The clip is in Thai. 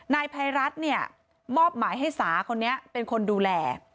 นายไพรัสมอบหมายให้สาวคนนี้เป็นคนดูแล